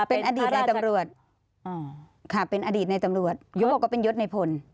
เป็นอดีตในตำรวจค่ะเป็นอดีตในตำรวจยุงบอกว่าเป็นยศในพล